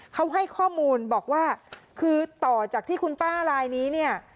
เขาให้ข้อมูลบอกว่าคือต่อจากที่คุณป้าลายนี้เนี่ย